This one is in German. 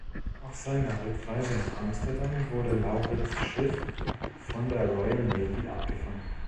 Auf seiner Rückreise nach Amsterdam wurde Laurens' Schiff von der Royal Navy abgefangen.